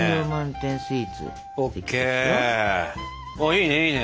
いいねいいね！